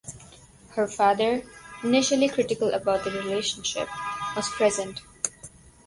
Her father, initially critical about their relationship, was present.